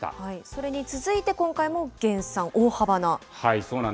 それに続いて今回も減産、大幅な。